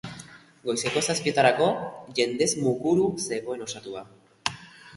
Goizeko zazpietarako, jendez mukuru zegoen ostatua.